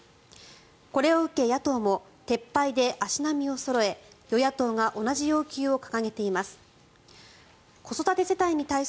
これを受け、野党も撤廃で足並みをそろえ与野党が同じ要求を掲げています。